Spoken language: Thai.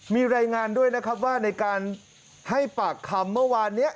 มีรายงานด้วยนะครับว่าในการให้ปากคำเมื่อวานนี้